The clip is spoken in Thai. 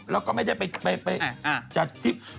แล้วก็ไม่ได้ไปจัดที่